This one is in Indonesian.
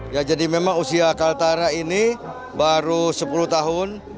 ya jadi memang usia kaltara ini baru sepuluh tahun